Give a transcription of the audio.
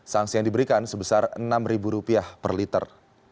sanksi yang diberikan sebesar enam ribu rupiah per liter